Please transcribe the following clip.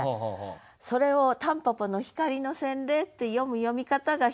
それを「たんぽぽの光の洗礼」って読む読み方が１つ。